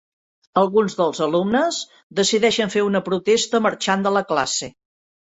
Alguns dels alumnes decideixen fer una protesta marxant de la classe.